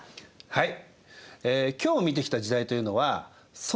はい。